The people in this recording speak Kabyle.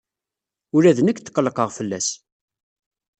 Ula d nekk tqellqeɣ fell-as.